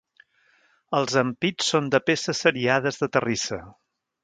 Els ampits són de peces seriades de terrissa.